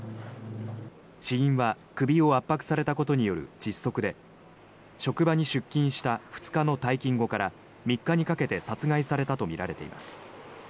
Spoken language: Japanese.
死因は首を圧迫されたことによる窒息で職場に出勤した２日の退勤後から３日にかけて殺害されたとみられています。